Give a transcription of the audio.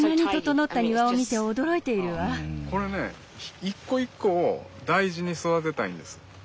これね一個一個を大事に育てたいんです。